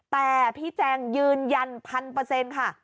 แต่พี่แจงยืนยันพันเปอร์เซ็นต์ค่ะ